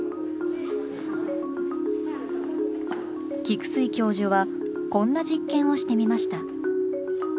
菊水教授はこんな実験をしてみました。